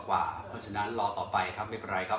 เพราะฉะนั้นรอต่อไปครับไม่เป็นไรครับ